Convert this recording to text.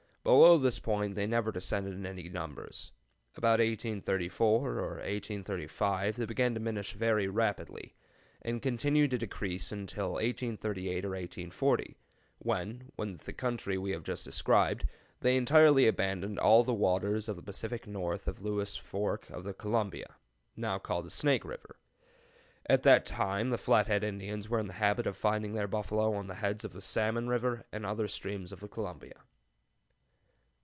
Below this point they never descended in any numbers. About 1834 or 1835 they began to diminish very rapidly, and continued to decrease until 1838 or 1840, when, with the country we have just described, they entirely abandoned all the waters of the Pacific north of Lewis's Fork of the Columbia [now called Snake] River. At that time the Flathead Indians were in the habit of finding their buffalo on the heads of Salmon River and other streams of the Columbia.